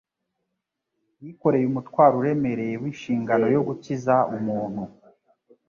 Yikoreye umutwaro uremereye w'inshingano yo gukiza umuntu.